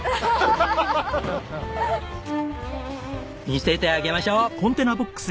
見せてあげましょう！